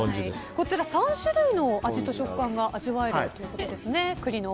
こちら３種類の味と食感が味わえるということですね。